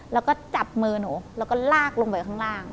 แล้วก็จับมือหนูแล้วก็ลากลงไปข้างล่าง